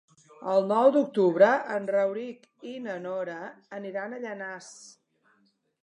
El nou d'octubre en Rauric i na Nora aniran a Llanars.